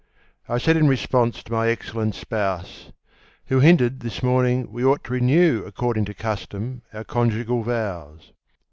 I said in response to my excellent spouse, Who hinted, this morning, we ought to renew According to custom, our conjugal vows.